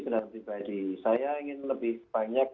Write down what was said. kendaraan pribadi saya ingin lebih banyak